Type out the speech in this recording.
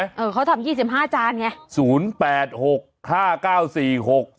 เออเขาทำ๒๕จานไง